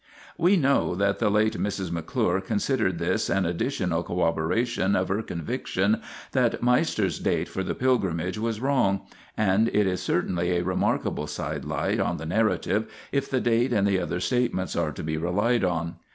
" We know that the late Mrs. McClure considered this an additional corroboration of her conviction that Meister's date for the pilgrim age was wrong : and it is certainly a remarkable sidelight on the narrative, if the date and the other statements are to be relied on.